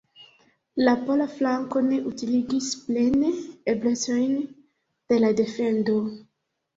La pola flanko ne utiligis plene eblecojn de la defendo.